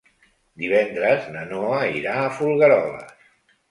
Divendres na Noa irà a Folgueroles.